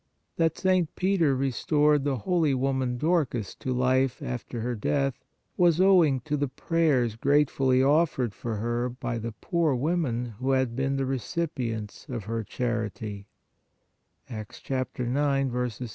That St. Peter restored the holy woman Dorcas to life after her death was owing to the prayers gratefully offered for her by the poor women who had been the recipients of her charity (Acts 9.